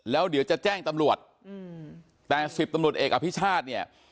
แล้วเดี๋ยวจะแจ้งตำรวจแต่สิบตำรวจเอกอภิชาติเนี่ย